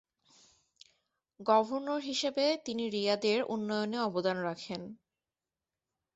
Governor হিসেবে তিনি রিয়াদের উন্নয়নে অবদান রাখেন।